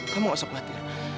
kamu gak usah khawatir